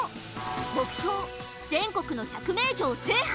目標全国の百名城制覇！